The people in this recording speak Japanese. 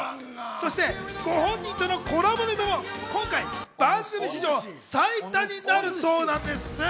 そしてご本人とのコラボネタも今回番組史上最多になるそうなんです。